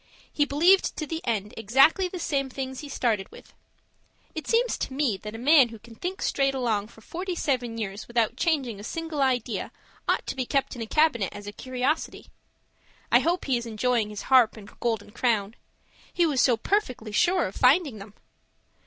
He believed to the end exactly the same things he started with. It seems to me that a man who can think straight along for forty seven years without changing a single idea ought to be kept in a cabinet as a curiosity. I hope he is enjoying his harp and golden crown; he was so perfectly sure of finding them!